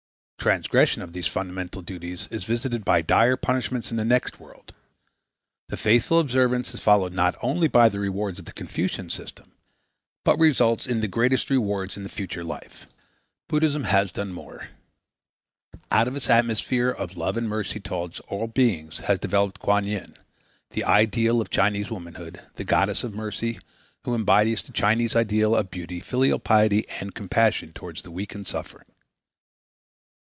Transgression of these fundamental duties is visited by dire punishments in the next world. The faithful observance is followed not only by the rewards of the Confucian system, but results in the greatest rewards in the future life. 1. Kuan Yin, the Giver of Children and Protector of Women Buddhism has done more. Out of its atmosphere of love and mercy toward all beings has developed Kuan Yin, the ideal of Chinese womanhood, the goddess of Mercy, who embodies the Chinese ideal of beauty, filial piety and compassion toward the weak and suffering.